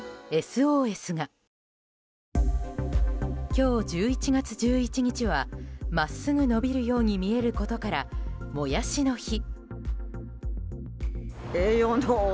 今日１１月１１日は真っすぐ伸びるように見えることからもやしの日。